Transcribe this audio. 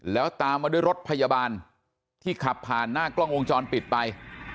แล้วตามมาด้วยรถพยาบาลที่ขับผ่านหน้ากล้องวงจรปิดไป